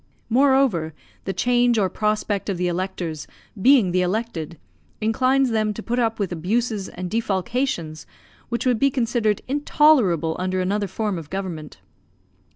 Moreover, the change or prospect of the electors being the elected inclines them to put up with abuses and defalcations which would be considered intolerable under another form of government.